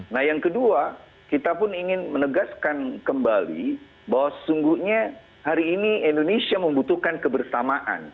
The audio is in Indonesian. nah yang kedua kita pun ingin menegaskan kembali bahwa sesungguhnya hari ini indonesia membutuhkan kebersamaan